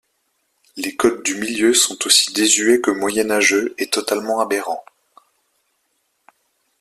Les codes du Milieu sont aussi désuets que moyenâgeux et totalement aberrants.